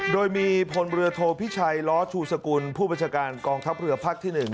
โดยมีพลเรือโทพิชัยล้อชูสกุลผู้บัญชาการกองทัพเรือภาคที่๑